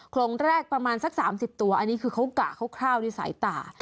โครงแรกประมาณสัก๓๐ตัวอันนี้คือเขากะคร่าวในสายตา